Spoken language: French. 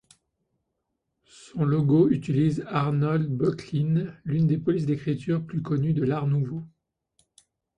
Son logo utilise Arnold Böcklin, l'une des polices d'écritures plus connues de l'Art nouveau.